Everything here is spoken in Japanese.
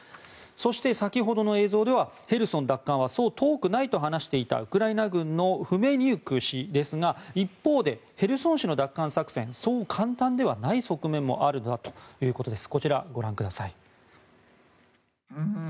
そして、先ほどの映像ではヘルソン奪還はそう遠くないと話していたウクライナ軍のフメニウク氏ですが一方で、ヘルソン市の奪還作戦そんなに簡単ではないという側面があるなということです。